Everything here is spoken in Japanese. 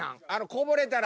こぼれたら。